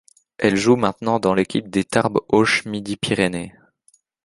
Elle joue maintenant dans l'équipe de Tarbes Auch Midi-Pyrénées.